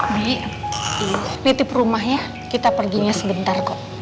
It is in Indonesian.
bi ini tip rumahnya kita perginya sebentar kok